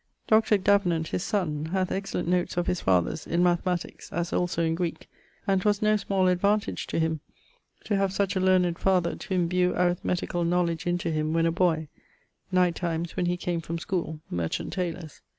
Dr. Davenant, his son, hath excellent notes of his father's, in mathematiques, as also in Greeke, and 'twas no small advantage him to have such a learned father to imbue arithmeticall knowledge into him when a boy, night times when he came from schoole (Merchant Taylors').